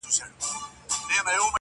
خړسایل مي د لفظونو شاهنشا دی,